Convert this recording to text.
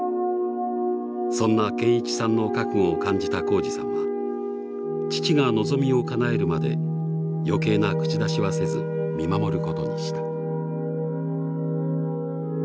そんな堅一さんの覚悟を感じた公二さんは父が望みをかなえるまで余計な口出しはせず見守ることにした。